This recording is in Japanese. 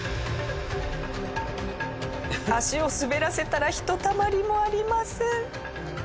足を滑らせたらひとたまりもありません。